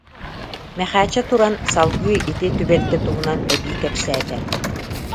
Мэхээчэ туран, салгыы ити түбэлтэ туһунан эбии кэпсээтэ